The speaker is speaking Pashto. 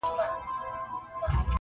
محبت په چیغو وایې قاسم یاره,